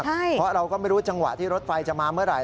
เพราะเราก็ไม่รู้จังหวะที่รถไฟจะมาเมื่อไห